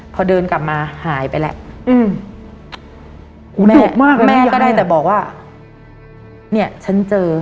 พอเดินกลับมาหายไปแหละแม่ก็ได้แต่บอกว่าเนี่ยฉันเจอ